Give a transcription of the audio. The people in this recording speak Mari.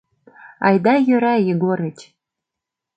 — Айда йӧра, Егорыч!